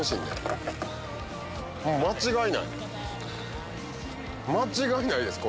間違いないです